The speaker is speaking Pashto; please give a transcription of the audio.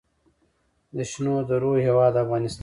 د شنو درو هیواد افغانستان.